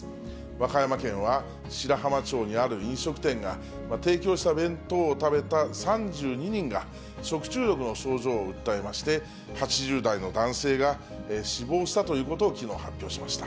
和歌山県は、白浜町にある飲食店が、提供した弁当を食べた３２人が、食中毒の症状を訴えまして、８０代の男性が死亡したということを、きのう発表しました。